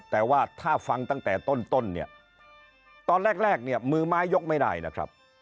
แต่ว่าถ้าฟังตั้งแต่ต้นเนี่ยตอนแรกเนี่ยมือไม้ยกไม่ได้นะครับ